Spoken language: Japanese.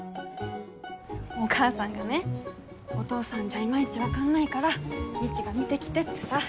お母さんがねお父さんじゃいまいち分かんないから未知が見てきてってさ。